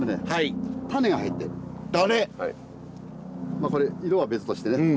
まあこれ色は別としてね